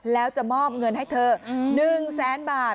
แล้วจะมอบเงินให้เธอ๑แสนบาท